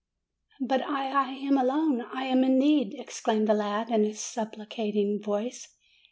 "But I, I am alone; I am in need!" exclaimed the lad, in a supplicating voice.